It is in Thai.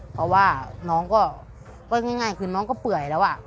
เพราะว่าน้องก็ง่ายคือน้องก็เปื่อยแล้ว